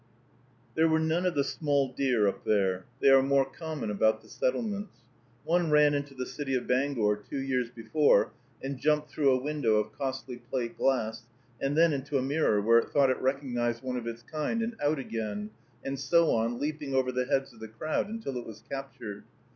There were none of the small deer up there; they are more common about the settlements. One ran into the city of Bangor two years before, and jumped through a window of costly plate glass, and then into a mirror, where it thought it recognized one of its kind, and out again, and so on, leaping over the heads of the crowd, until it was captured.